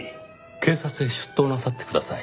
警察へ出頭なさってください。